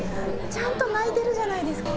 ちゃんと泣いてるじゃないですか。